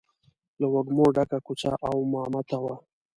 له وږمو ډکه کوڅه او مامته وه.